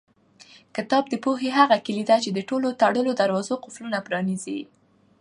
کتاب د پوهې هغه کلۍ ده چې د ټولو تړلو دروازو قلفونه پرانیزي.